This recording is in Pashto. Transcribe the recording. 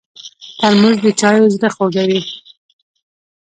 ترموز د چایو زړه خوږوي.